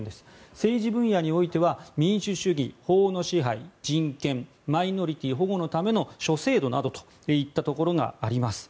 政治分野においては民主主義、法の支配人権やマイノリティー保護のための諸制度などといったところがあります。